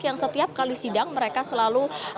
yang setiap kali sidang mereka selalu